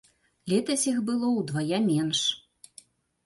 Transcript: Летась іх было ўдвая менш.